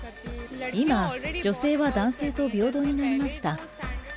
今、女性は男性と平等になりました。